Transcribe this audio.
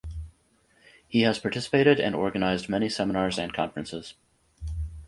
He has participated and organised many seminars and conferences.